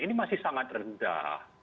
ini masih sangat rendah